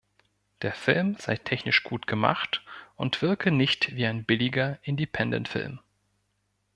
Der Film sei technisch gut gemacht und wirke nicht wie ein billiger Independentfilm.